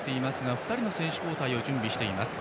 ２人の選手交代を準備しています。